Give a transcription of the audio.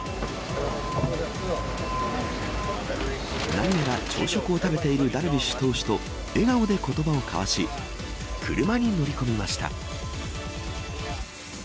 何やら朝食を食べているダルビッシュ投手と笑顔で言葉を交わし車に乗り込みました。